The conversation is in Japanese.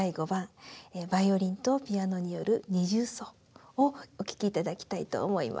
バイオリンとピアノによる二重奏をお聴き頂きたいと思います。